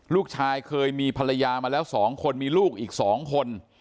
ลูกชายเคยมีภรรยามาแล้ว๒คนมีลูกอีก๒คน